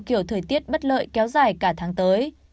kiểu thời tiết bất lợi kéo dài cả tháng tới